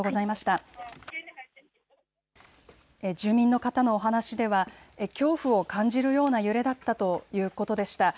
住民の方の話では恐怖を感じるような揺れだったということでした。